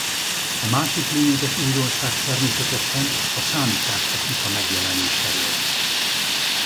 A másik lényeges újdonság természetesen a számítástechnika megjelenése volt.